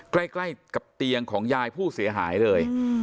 ใกล้กับเตียงของยายผู้เสียหายเลย